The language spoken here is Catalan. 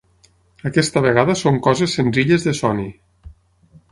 Aquesta vegada són coses senzilles de Sony.